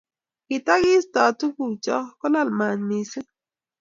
kitakiistai tuguk chok kolal mat mising